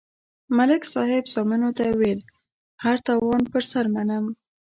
ملک صاحب زامنو ته ویل: هر تاوان پر سر منم.